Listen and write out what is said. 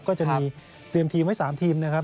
ก็จะมีเตรียมทีมไว้๓ทีมนะครับ